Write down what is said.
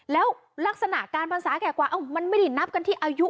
แล้วลักษณะการภาษาแก่กว่ามันไม่ได้นับกันที่อายุ